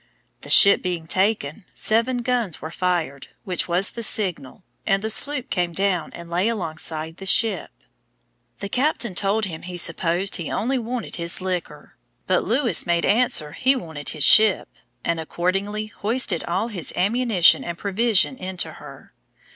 The ship being taken, seven guns were fired, which was the signal, and the sloop came down and lay alongside the ship. The captain told him he supposed he only wanted his liquor; but Lewis made answer he wanted his ship, and accordingly hoisted all his ammunition and provision into her.